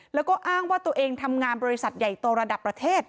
แล้วก็อ้างว่าตัวเองทำงานบริษัทใหญ่โตระดับประเทศ